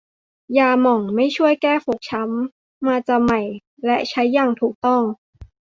ยาหม่องไม่ช่วยแก้ฟกช้ำ มาจำใหม่และใช้อย่างถูกต้อง